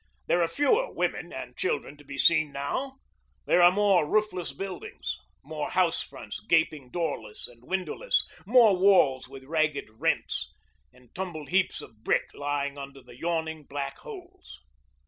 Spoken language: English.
There are fewer women and children to be seen now; there are more roofless buildings, more house fronts gaping doorless and windowless, more walls with ragged rents, and tumbled heaps of brick lying under the yawning black holes.